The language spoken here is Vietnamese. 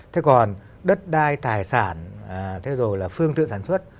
thế còn đất đai tài sản thế rồi là phương tượng sản xuất